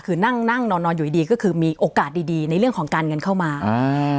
คือนั่งนั่งนอนนอนอยู่ดีดีก็คือมีโอกาสดีดีในเรื่องของการเงินเข้ามาอ่า